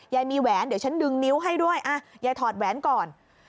ยายมีแหวนเดี๋ยวฉันดึงนิ้วให้ด้วยยายถอดแหวนก่อน